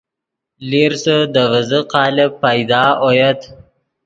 لیرسے دے ڤیزے قالب پیدا اویت